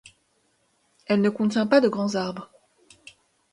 Elle ne contient pas de grands arbres.